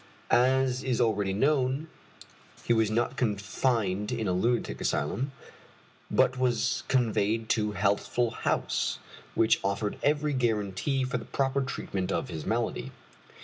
As is already known, he was not confined in a lunatic asylum, but was conveyed to Healthful House, which offered every guarantee for the proper treatment of his malady.